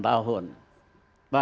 nah poin saya adalah